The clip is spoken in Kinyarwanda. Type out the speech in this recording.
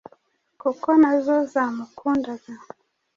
kuko na zo zamukundaga